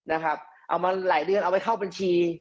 เอามาหลายเดือนเอาไว้เข้าบัญชี